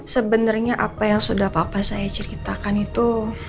sebenarnya apa yang sudah papa saya ceritakan itu